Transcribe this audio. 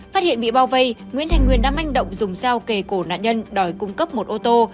phát hiện bị bao vây nguyễn thành nguyên đã manh động dùng dao kề cổ nạn nhân đòi cung cấp một ô tô